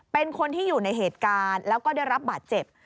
เป็นคนที่อยู่ในเหตุการณ์แล้วก็ได้รับบาดเจ็บ